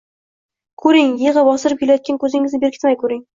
Koʻring, yigʻi bostirib kelayotgan koʻzingizni berkitmay koʻring.